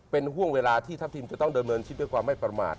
เป็นห่วงเวลาที่ทัพทีมจะต้องดำเนินชีวิตด้วยความไม่ประมาท